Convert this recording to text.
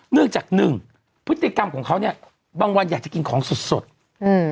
เนื่องจากหนึ่งพฤติกรรมของเขาเนี้ยบางวันอยากจะกินของสดสดอืม